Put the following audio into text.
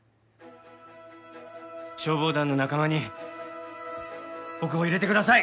消防団の仲間に僕を入れてください！